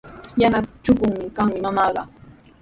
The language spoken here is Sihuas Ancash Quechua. Yana chukuyuq kaqmi mamaaqa.